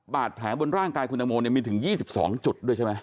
บาดแผลบนร่างกายคุณตังโมมีถึง๒๒จุดด้วยใช่ไหม